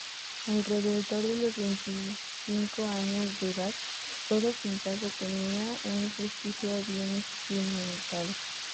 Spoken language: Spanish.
Alrededor de los veinticinco años de edad, Toro Sentado tenía su prestigio bien cimentado.